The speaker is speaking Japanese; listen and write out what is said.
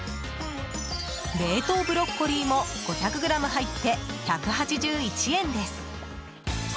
冷凍ブロッコリーも５００ｇ入って１８１円です。